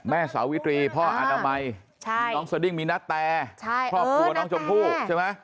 แม่สาวิตรีพ่ออาณามัยน้องสดิงมีนัทแปรพ่อปัวน้องจมพู่ใช่ไหม